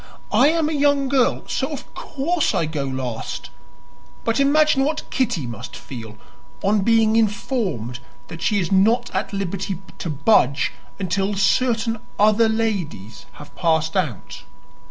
"I am a young girl, so of course I go last; but imagine what Kitty must feel on being informed that she is not at liberty to budge until certain other ladies have passed out."